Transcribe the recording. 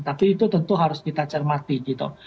tapi itu tentu harus kita cermati gitu